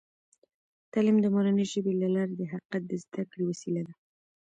تعلیم د مورنۍ ژبې له لارې د حقیقت د زده کړې وسیله ده.